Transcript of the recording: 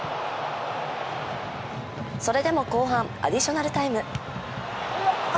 それでも後半アディショナルタイム。